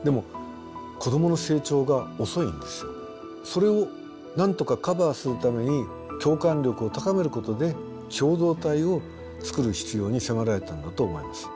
それをなんとかカバーするために共感力を高めることで共同体を作る必要に迫られたんだと思います。